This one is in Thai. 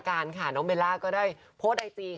ไม่ว่าจะเรียนอะไรเราก็อยากรู้ขอบคุณค่ะ